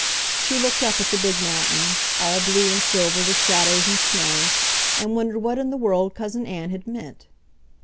She looked up at the big mountains, all blue and silver with shadows and snow, and wondered what in the world Cousin Ann had meant.